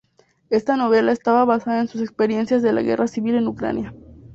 Esta novela estaba basada en sus experiencias de la guerra civil en Ucrania.